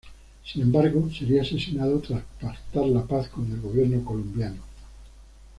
Sin embargo, sería asesinado tras pactar la paz con el gobierno colombiano.